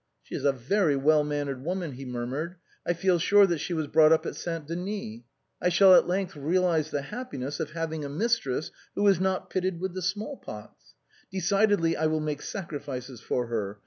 " She is a very well mannered woman," he murmured ;" I feel sure that she was brought up at Saint Denis. I shall at length realize the happiness of having a mistress who is not pitted with the small pox. Decidedly I will make sacrifices for her.